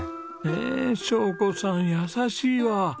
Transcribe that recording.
へえ晶子さん優しいわあ。